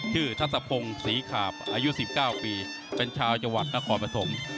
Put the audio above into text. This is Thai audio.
ชื่อทัศพงศรีขาบอายุสิบเก้าปีเป็นชาวจังหวัดนครมี